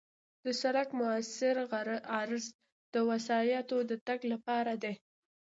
د سړک موثر عرض د وسایطو د تګ لپاره دی